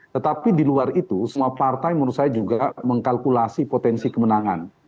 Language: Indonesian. tetapi di luar itu semua partai menurut saya juga mengkalkulasi potensi kemenangan